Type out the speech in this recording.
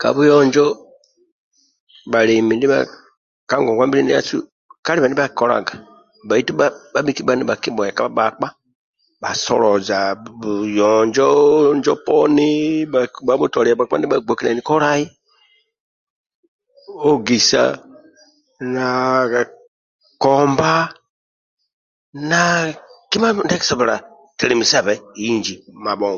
Ka buyonjo bhalalemi ndibha ka ngongwa mbili ndiasu kalibe ndia bhakikolaga bhaitu bhabhi kibha nibhakibhueka bhakpa bha soloza buyonjo injo poni bhabhutolia bhakpa kima ndia bhagbokiliani kolai ogisa na komba na kima poni ndia akisobola telemisabe inji mabhonga